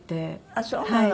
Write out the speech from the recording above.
あっそうなの。